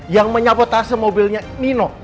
yang menyabotase mobilnya nino